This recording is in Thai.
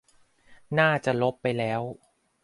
น่าจะลบไปแล้ว